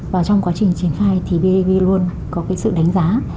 và trong quá trình chiến phai thì bav luôn có sự đánh giá